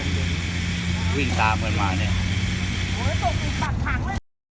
โอ้โหโตฮิฟตับถังแล้ว